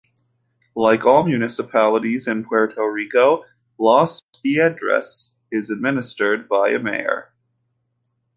Like all municipalities in Puerto Rico, Las Piedras is administered by a mayor.